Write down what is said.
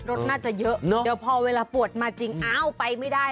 รถน่าจะเยอะเนอะเดี๋ยวพอเวลาปวดมาจริงอ้าวไปไม่ได้